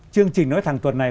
chương trình nói thằng tuần này